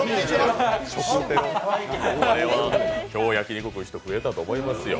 これは今日焼肉食う人増えたと思いますよ。